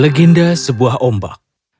legenda sebuah ombak